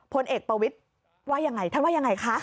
พลเอกประวิทย์ว่ายังไงท่านว่ายังไงคะ